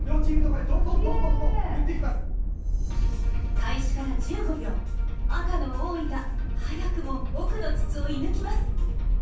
開始から１５秒赤の大分早くも奥の筒を射抜きます。